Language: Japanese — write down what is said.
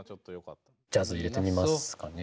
ジャズ入れてみますかね。